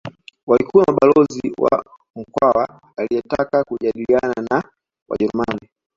Walikuwa mabalozi wa Mkwawa aliyetaka kujadiliana na Wajerumani